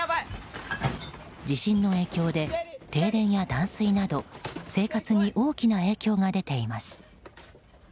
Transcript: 地震の影響で停電や断水など生活に大きな影響が出ています。